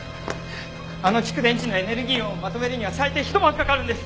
あの蓄電池のエネルギー論をまとめるには最低ひと晩かかるんです。